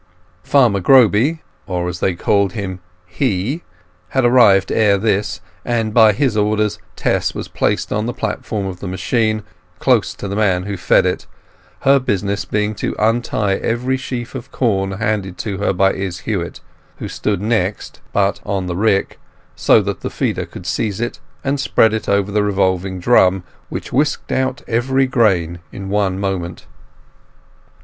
Farmer Groby—or, as they called him, "he"—had arrived ere this, and by his orders Tess was placed on the platform of the machine, close to the man who fed it, her business being to untie every sheaf of corn handed on to her by Izz Huett, who stood next, but on the rick; so that the feeder could seize it and spread it over the revolving drum, which whisked out every grain in one moment.